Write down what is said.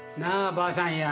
ばあさんや。